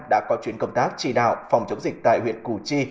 đã có chuyến công tác chỉ đạo phòng chống dịch tại huyện củ chi